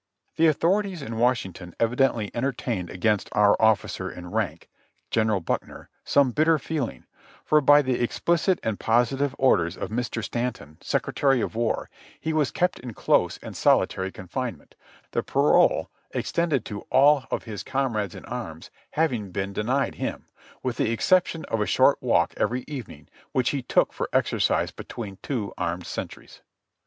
The authorities in Washington evidently entertained against our officer in rank. General Buckner, some bitter feeling, for by the expHcit and positive orders of Mr. Stanton, Secretary of W^ar, PRISON LIFE AT FORT WARREN 219 he was kept in close and solitary confinement, the parole ex tended to all of his comrades in arms having been denied him, with the exception of a short walk every evening which he took for exercise between two armed sentries.